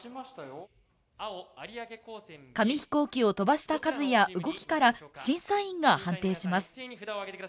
紙飛行機を飛ばした数や動きから審査員が判定します。